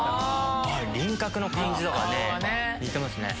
輪郭の感じとかね似てますね。